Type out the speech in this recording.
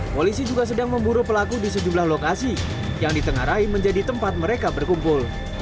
polisi juga sedang memburu pelaku di sejumlah lokasi yang ditengarai menjadi tempat mereka berkumpul